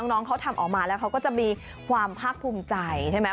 น้องเขาทำออกมาแล้วเขาก็จะมีความภาคภูมิใจใช่ไหม